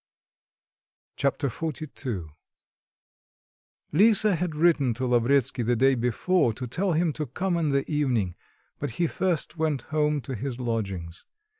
Chapter XLII Lisa had written to Lavretsky the day before, to tell him to come in the evening; but he first went home to his lodgings.